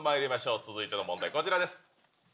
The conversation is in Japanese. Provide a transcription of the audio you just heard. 続いての問題、こちらです。